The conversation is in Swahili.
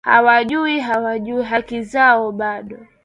hawajui hawajui haki zao bado